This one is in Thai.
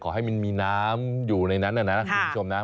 ขอให้มันมีน้ำอยู่ในนั้นนะคุณผู้ชมนะ